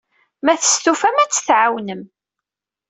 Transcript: Ma testufam, ad tt-tɛawnem.